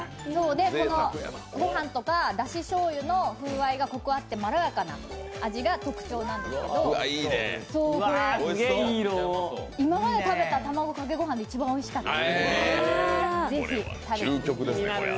ご飯とかだししょうゆの風合いがコクがあってまろやかなうまみで、今まで食べた卵かけ御飯で一番おいしかったです、ぜひ食べて。